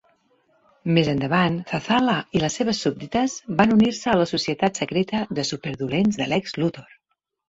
Més endavant, Zazzala i les seves súbdites van unir-se a la Societat Secreta de Super Dolents de Lex Luthor.